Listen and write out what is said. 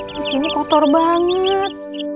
kesini kotor banget